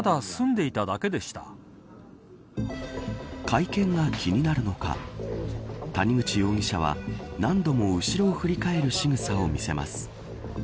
会見が気になるのか谷口容疑者は、何度も後ろを振り返るしぐさを見せます。